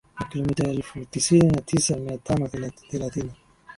na kilometa elfu tisini na tisa mia tano thelathini